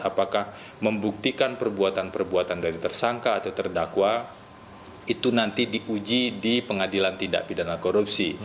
apakah membuktikan perbuatan perbuatan dari tersangka atau terdakwa itu nanti diuji di pengadilan tindak pidana korupsi